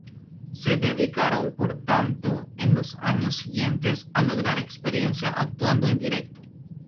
Se dedicaron, por tanto, en los años siguientes a lograr experiencia actuando en directo.